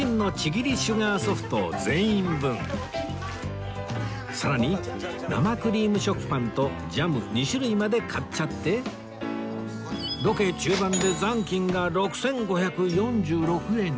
シュガーソフトを全員分さらに生クリーム食パンとジャム２種類まで買っちゃってロケ中盤で残金が６５４６円に